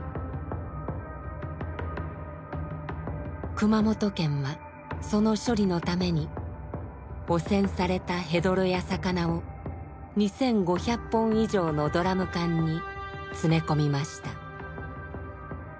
熊本県はその処理のために汚染されたヘドロや魚を２，５００本以上のドラム缶に詰め込みました。